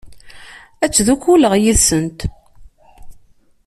Ad ttdukkuleɣ yid-sent.